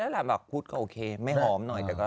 ดอกพุธไว้โอเคไม่หอมหน่อย